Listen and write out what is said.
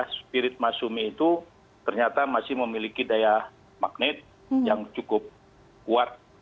spirit masyumi itu ternyata masih memiliki daya magnet yang cukup kuat